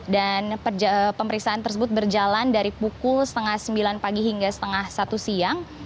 pemeriksaan tersebut berjalan dari pukul setengah sembilan pagi hingga setengah satu siang